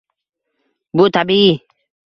Bu– tabiiy.